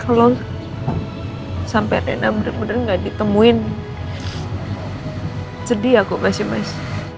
kalau sampai rena bener bener gak ditemuin sedih aku kasih mas